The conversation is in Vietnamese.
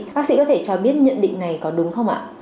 bác sĩ có thể cho biết nhận định này có đúng không ạ